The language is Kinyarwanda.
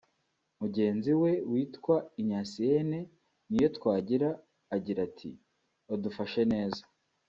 Mugenzi we witwa Ignaciene Niyotwagira agira ati “Badufashe neza